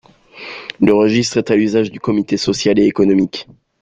Le registre est à l'usage du Comité social et économique.